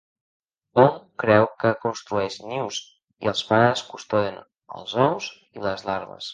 Hom creu que construeix nius i els pares custodien els ous i les larves.